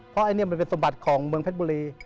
เพราะอันนี้มันเป็นสมบัติของเมืองเพชรบุรี